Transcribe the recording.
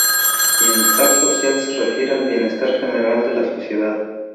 Bienestar social se refiere al bienestar general de la sociedad.